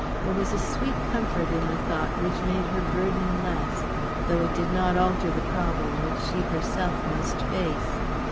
There was a sweet comfort in the thought which made her burden less, though it did not alter the problem which she herself must face.